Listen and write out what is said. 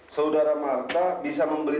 saudara marta bisa membeli